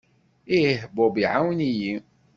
Ih, Bob iɛawen-iyi.